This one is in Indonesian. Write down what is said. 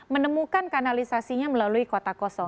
menemukan kanalisasinya melalui kota kosong